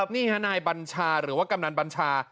นี่ฮะนายบัญชาหรือว่ากำนันบัญชา